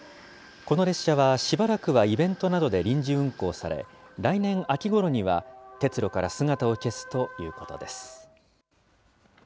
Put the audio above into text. この列車は、しばらくはイベントなどで臨時運行され、来年秋ごろには、鉄路から姿を消すということです。